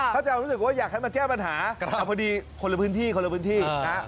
เขาจะรู้สึกว่าอยากขัดมาแก้ปัญหาแต่พอดีคนละพื้นที่